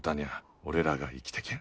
俺らが生きてけん。